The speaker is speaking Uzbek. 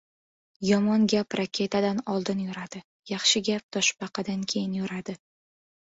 Yomon gap raketadan oldin yuradi, yaxshi gap toshbaqadan keyin yuradi.